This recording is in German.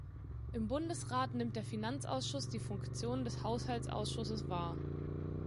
Im Bundesrat nimmt der Finanzausschuss die Funktion des Haushaltsausschusses wahr.